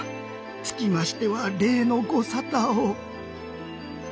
つきましては例のご沙汰を。